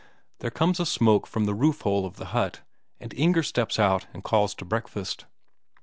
There comes a smoke from the roof hole of the hut, and Inger steps out and calls to breakfast.